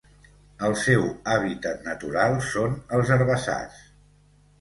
El seu hàbitat natural són els herbassars.